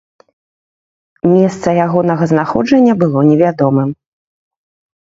Месца ягонага знаходжання было невядомым.